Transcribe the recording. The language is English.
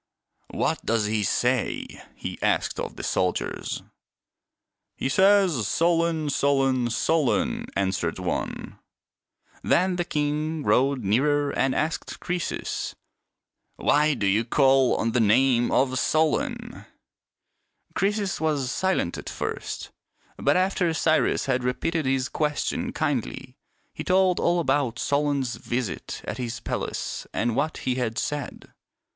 " What does he say ?" he asked of the soldiers. " He says, ' Solon, Solon, Solon !'" answered one. Then the king rode nearer and asked Croesus, " Why do you call on the name of Solon .?" Croesus was silent at first; but after Cyrus had repeated his question kindly, he told all about Solon's visit at his palace and what he had said.